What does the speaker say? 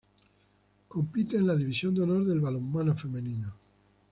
Compite en la División de Honor de balonmano femenino.